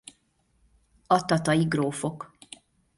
A tatai grófok.